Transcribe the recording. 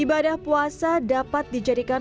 ibadah puasa dapat dijadikan